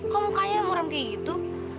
kok mukanya muram kayak gitu